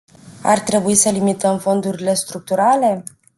Ar trebui să limităm fondurile structurale?